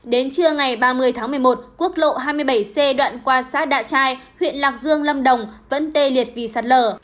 đến trưa ngày ba mươi tháng một mươi một quốc lộ hai mươi bảy c đoạn qua xã đạ trai huyện lạc dương lâm đồng vẫn tê liệt vì sạt lở